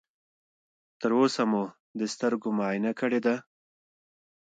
تر اوسه مو د سترګو معاینه کړې ده؟